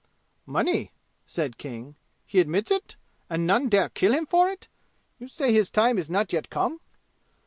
"Money?" said King. "He admits it? And none dare kill him for it? You say his time is not yet come?"